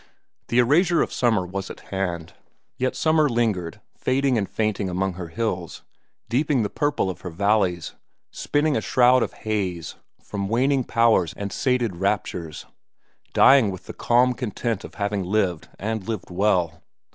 The erasure of summer was at hand. Yet summer lingered, fading and fainting among her hills, deepening the purple of her valleys, spinning a shroud of haze from waning powers and sated raptures, dying with the calm content of having lived and lived well.